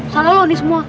salah lu nih semua